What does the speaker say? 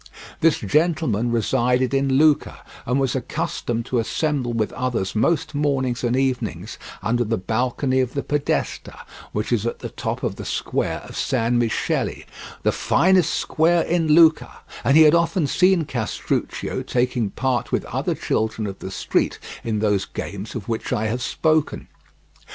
This gentleman resided in Lucca and was accustomed to assemble with others most mornings and evenings under the balcony of the Podesta, which is at the top of the square of San Michele, the finest square in Lucca, and he had often seen Castruccio taking part with other children of the street in those games of which I have spoken.